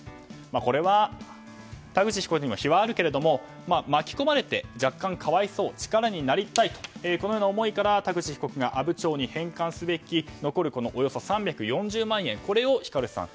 これは田口被告にも非はあるけれども巻き込まれて若干可哀想力になりたいとこのような思いから田口被告が阿武町に返還すべき残る３４０万円をこれをヒカルさん